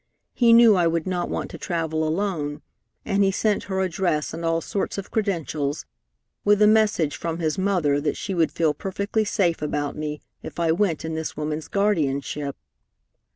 He knew I would not want to travel alone, and he sent her address and all sorts of credentials, with a message from his mother that she would feel perfectly safe about me if I went in this woman's guardianship.